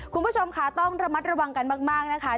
คุณผู้ชมค่ะต้องระมัดระวังกันมากนะคะ